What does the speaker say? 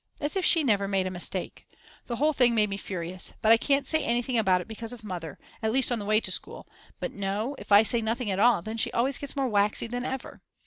As if she never made a mistake. The whole thing made me furious. But I can't say anything about it because of Mother, at least on the way to school; but no, if I say nothing at all then she always gets more waxy than ever.